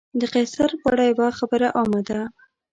د قیصر په اړه یوه خبره عامه ده.